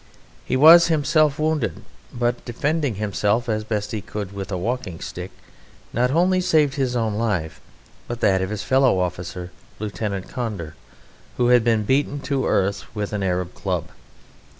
He was himself wounded, but, defending himself as best he could with a walking stick, not only saved his own life but that of his fellow officer, Lieutenant Conder, who had been beaten to the earth with an Arab club.